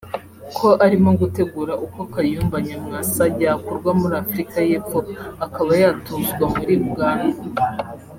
ko arimo gutegura uko Kayumba Nyamwasa yakurwa muri Afrika y’Epfo akaba yatuzwa muri Uganda